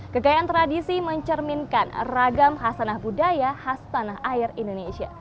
kekain tradisi mencerminkan ragam khas tanah budaya khas tanah air indonesia